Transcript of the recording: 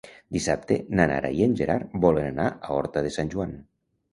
Dissabte na Nara i en Gerard volen anar a Horta de Sant Joan.